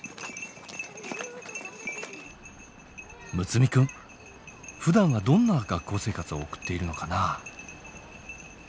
睦弥くんふだんはどんな学校生活を送っているのかな？